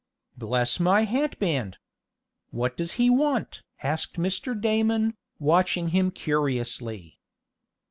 "Bless my hatband! What does he want?" asked Mr. Damon, watching him curiously.